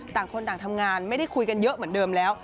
ต่างคนต่างทำงานไม่ได้คุยกันเยอะเหมือนเดิมแล้ว